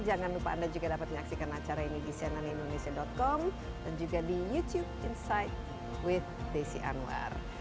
jangan lupa anda juga dapat menyaksikan acara ini di cnnindonesia com dan juga di youtube insight with desi anwar